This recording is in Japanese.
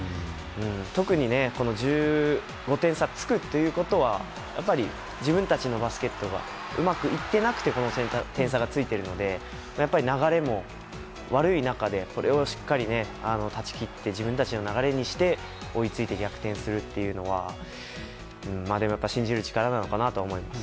特に、１５点差つくということはやっぱり、自分たちのバスケットがうまくいってなくてこの点差がついているのでやっぱり、流れも悪い中でそれをしっかり断ち切って自分たちの流れにして追いついて逆転するというのはでも、信じる力なのかなと思います。